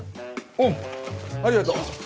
うんありがとう。